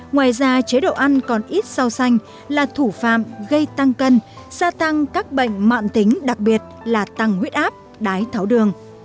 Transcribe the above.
ngoài ra chế độ ăn còn ít rau xanh là thủ phạm gây tăng cân gia tăng các bệnh mạng tính đặc biệt là tăng huyết áp đái tháo đường